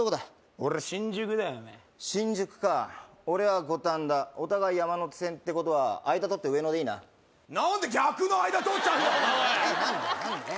俺は新宿だよオメエ新宿か俺は五反田お互い山手線ってことは間とって上野でいいな何で逆の間とっちゃうんだおい何何だえっ？